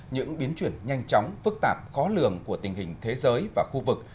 những biến chuyển nhanh chóng phức tạp khó lường của tình hình thế giới và khu vực